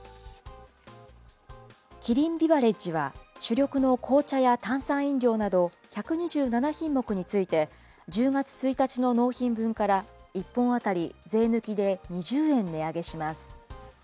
キリンビバレッジは、主力の紅茶や炭酸飲料など１２７品目について、１０月１日の納品分から１本あたり税抜きで２０円値上げします。